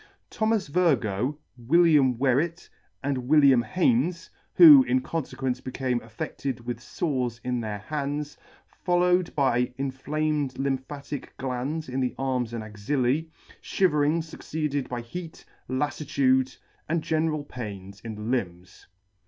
Thomas Virgoe, William Wherret, and William Haynes, who in confequence became affedted [•33 ] affe&ed with fores in their hands, followed by inflamed lym phatic glands in the arms and axillae, fliiverings fucceeded by heat, laflitude and general pains in the limbs.